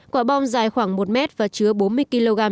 quả bom dài khoảng một m và có một năm m